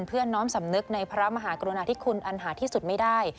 เพื่อน้อมสำนึกในพระมหากรุณาธิคุณอันหาที่สุดไม่ได้